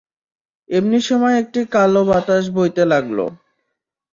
এমনি সময় একটি কাল বাতাস বইতে লাগল।